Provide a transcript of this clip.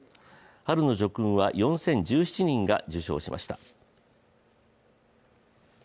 春の叙勲は４０１７人が受章しました。